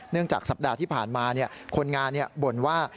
จากสัปดาห์ที่ผ่านมาคนงานบ่นว่า